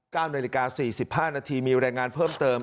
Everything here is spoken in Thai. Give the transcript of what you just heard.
กล้ามนาฬิกาสี่สิบห้านาทีมีรายงานเพิ่มเติม